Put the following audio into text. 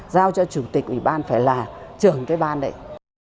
giao cho chủ tịch ủy ban phải là trưởng cái ban đấy